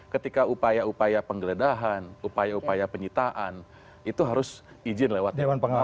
ketika upaya upaya penggeledahan upaya upaya penyitaan itu harus izin lewat dewan pengawas